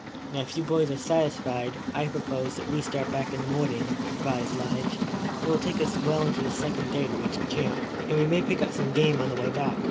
"Now, if you boys are satisfied, I propose that we start back in the morning," advised Lige. "It will take us well into the second day to reach camp, and we may pick up some game on the way back.